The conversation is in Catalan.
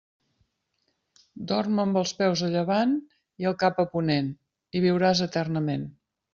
Dorm amb els peus a llevant i el cap a ponent i viuràs eternament.